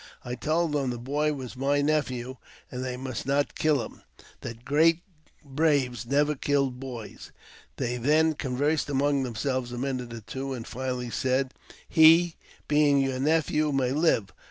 I told them the boy was my nephew, and that they must not kill him — that great braves never killed boys. They then conversed among themselves a minute or two, and finally said, " He, being your nephew, may live.